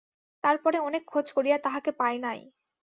তার পরে অনেক খোঁজ করিয়া তাহাকে পায় নাই।